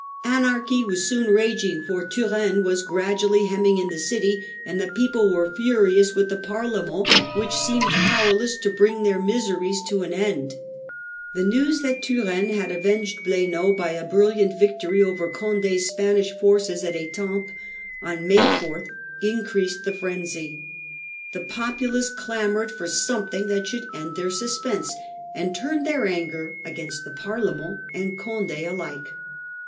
Anarchy was soon raging, for Turenne was gradually hemming in the city, and the people were furious with the Parle Battle of which seemed powerless to bring their litampes, miseries to an end. The news that Turenne May 4, 1652. j iac j aven g e( j ]i]^ncau by a brilliant victory over Condc's Spanish forces at Etampes on May 4 increased the frenzy. The populace clamoured for some thing that should end their suspense, and turned their anger against the Parlement and Conde alike.